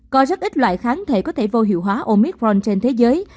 có rất ít loại kháng thể có thể vô hiệu hóa omitron trên thế giới